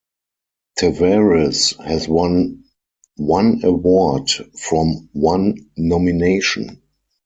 Tavares has won one award from one nomination.